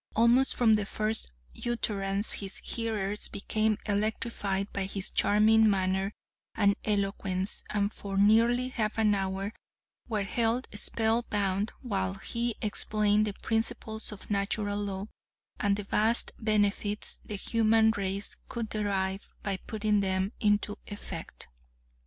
Almost from the first utterance, his hearers became electrified by his charming manner and eloquence, and for nearly half an hour were held spellbound, while he explained the principles of Natural Law, and the vast benefits the human race could derive by putting them into effect.